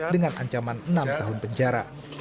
dengan ancaman enam tahun penjara